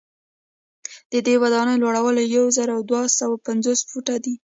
ددې ودانۍ لوړوالی یو زر دوه سوه پنځوس فوټه دی.